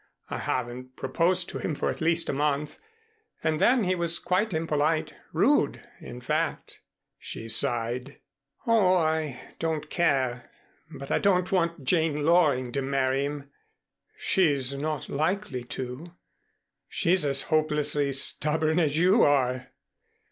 I haven't proposed to him for at least a month and then he was quite impolite rude, in fact." She sighed. "Oh, I don't care, but I don't want Jane Loring to marry him." "She's not likely to. She's as hopelessly stubborn as you are."